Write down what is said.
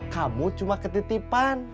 kamu cuma ketitipan